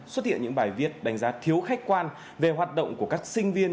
xuất hiện những bài viết đánh giá thiếu khách quan về hoạt động của các sinh viên